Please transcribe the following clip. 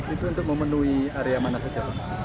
itu untuk memenuhi area mana saja pak